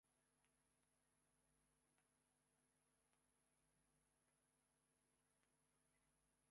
We expected to arrive at the airport on time, but the flight was delayed.